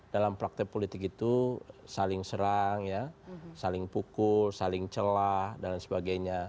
dalam praktek politik itu saling serang saling pukul saling celah dan lain sebagainya